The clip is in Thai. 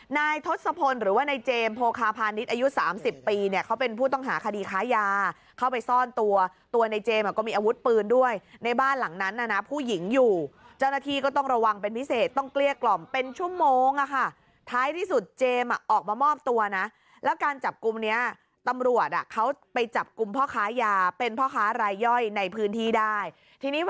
นายทศพลหรือว่าในเจมส์โพคาพาณิชย์อายุ๓๐ปีเนี่ยเขาเป็นผู้ต้องหาคดีค้ายาเข้าไปซ่อนตัวตัวในเจมส์ก็มีอาวุธปืนด้วยในบ้านหลังนั้นนะผู้หญิงอยู่เจ้าหน้าที่ก็ต้องระวังเป็นพิเศษต้องเกลี้ยกล่อมเป็นชั่วโมงค่ะท้ายที่สุดเจมส์ออกมามอบตัวนะแล้วการจับกลุ่มนี้ตำรวจเขาไป